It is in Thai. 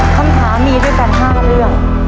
คำถามีด้วยกันห้ามเรื่อง